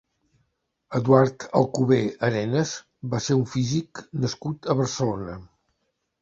Eduard Alcobé Arenas va ser un físic nascut a Barcelona.